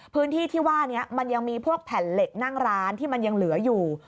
พื้นที่ที่ว่านี้มันยังมีพวกแผ่นเหล็กนั่งร้านที่มันยังเหลืออยู่